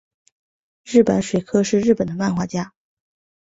日坂水柯是日本的漫画家。